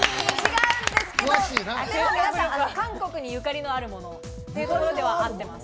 韓国に縁のあるものというところでは合ってます。